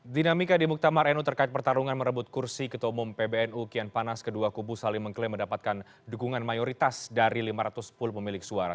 dinamika di muktamar nu terkait pertarungan merebut kursi ketua umum pbnu kian panas kedua kubu saling mengklaim mendapatkan dukungan mayoritas dari lima ratus pul pemilik suara